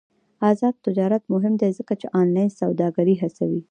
آزاد تجارت مهم دی ځکه چې آنلاین سوداګري هڅوي.